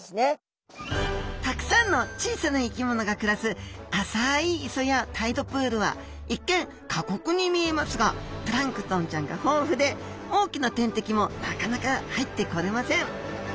たくさんの小さな生き物が暮らす浅い磯やタイドプールは一見過酷に見えますがプランクトンちゃんが豊富で大きな天敵もなかなか入ってこれません。